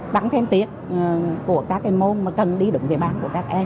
đắn thêm tiết của các môn mà cần lý đựng về bản của các em